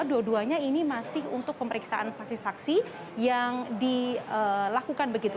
dua duanya ini masih untuk pemeriksaan saksi saksi yang dilakukan begitu